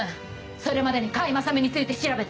それまでに甲斐正美について調べて。